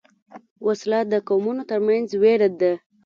وسله د قومونو تر منځ وېره ده